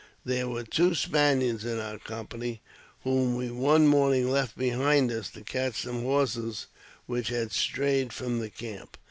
There were two Spaniards in our company, whom we one morning left behind us to catch some horses which had strayed away from the camp.